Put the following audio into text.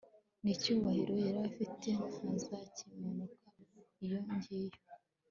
n'icyubahiro yari afite ntazakimanukana iyo ngiyo